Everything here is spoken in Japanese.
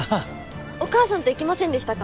お母さんと行きませんでしたか？